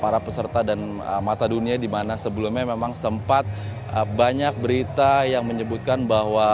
para peserta dan mata dunia dimana sebelumnya memang sempat banyak berita yang menyebutkan bahwa